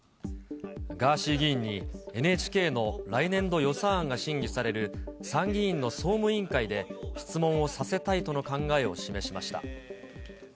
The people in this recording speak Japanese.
ガーシー議員にＮＨＫの来年度予算案が審議される参議院の総務委員会で、質問をさせたいとの考えを示しました。